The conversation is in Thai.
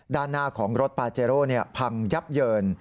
ด้านหน้าของรถปาเจโร่พังยับเยิน